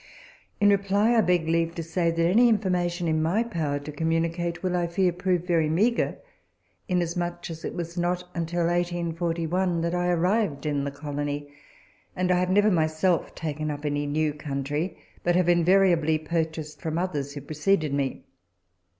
In reply, I beg leave to say that any information in my power to communicate will, I fear, prove very meagre, inasmuch as it was not until 1841 that I arrived in the colony, and I have never myself taken up any new country, but have invariably purchased from others who preceded me.